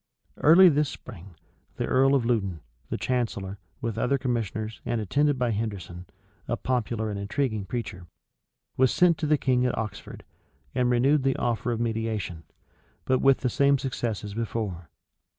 [*] Early this spring, the earl of Loudon, the chancellor, with other commissioners, and attended by Henderson, a popular and intriguing preacher, was sent to the king at Oxford, and renewed the offer of mediation; but with the same success as before.